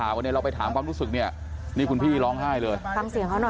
ถ้าทำแต่ตอนนั้นมันยังไม่เป็นถึงขนาดนี้ใช่ไหมรอบหนึ่งรอบสองยังก็เอาไหว